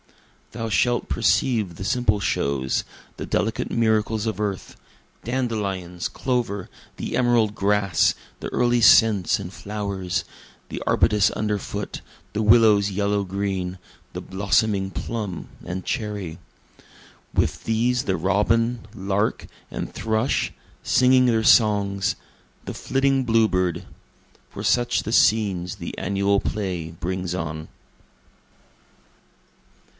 Thou shalt perceive the simple shows, the delicate miracles of earth, Dandelions, clover, the emerald grass, the early scents and flowers, The arbutus under foot, the willow's yellow green, the blossoming plum and cherry; With these the robin, lark and thrush, singing their songs the flitting bluebird; For such the scenes the annual play brings on.